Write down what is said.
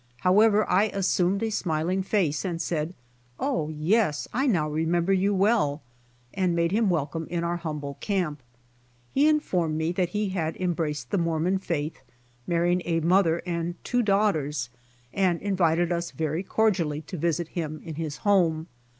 However, I assumed a smiling face and said, "O, yes, I now remiember you well," and made him welcome to our humble camp. He informed me that he had embraced the Mormon faith, marrying a mother and two daughters, and invited us very cor dially to visit him in his home.